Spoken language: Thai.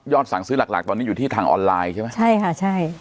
สั่งซื้อหลักหลักตอนนี้อยู่ที่ทางออนไลน์ใช่ไหมใช่ค่ะใช่